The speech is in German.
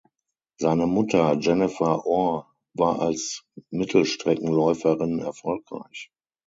Seine Mutter Jennifer Orr war als Mittelstreckenläuferin erfolgreich.